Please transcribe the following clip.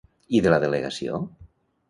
I de la delegació?